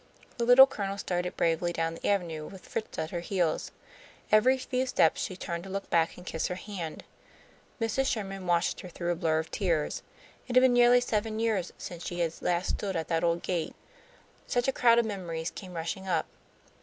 The Little Colonel started bravely down the avenue, with Fritz at her heels. Every few steps she turned to look back and kiss her hand. Mrs. Sherman watched her through a blur of tears. It had been nearly seven years since she had last stood at that old gate. Such a crowd of memories came rushing up!